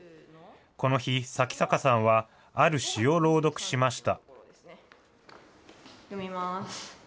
この日、向坂さんはある詩を朗読しました。